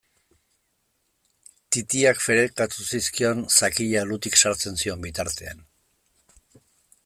Titiak ferekatu zizkion sakila alutik sartzen zion bitartean.